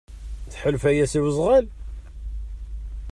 Tḥulfa-yas i wezɣal?